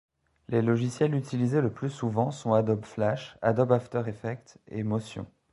Les logiciels utilisés le plus souvent sont Adobe Flash, Adobe After Effects et Motion.